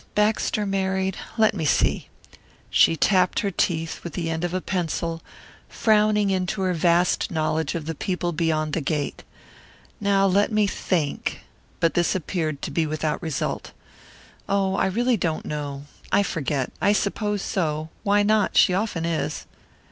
"Baxter married? Let me see." She tapped her teeth with the end of a pencil, frowning into her vast knowledge of the people beyond the gate. "Now, let me think." But this appeared to be without result. "Oh, I really don't know; I forget. I suppose so. Why not? She often is."